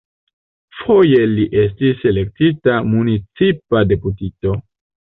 Foje li estis elektita municipa deputito.